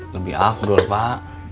lebih afdol pak